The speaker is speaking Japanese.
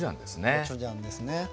コチュジャンですね。